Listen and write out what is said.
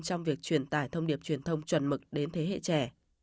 trong việc truyền tải thông điệp truyền thông chuẩn mực đến thế hệ trẻ